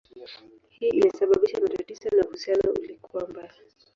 Hii ilisababisha matatizo na uhusiano ulikuwa mbaya.